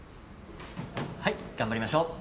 はい頑張りましょ！